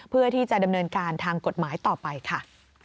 เพื่อที่จะดำเนินการทางกฎหมายต่อไปค่ะ